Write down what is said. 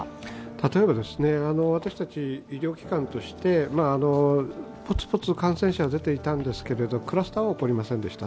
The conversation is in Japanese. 例えば私たち医療機関としてポツポツ感染者は出ていたんですけどクラスターは起こりませんでした。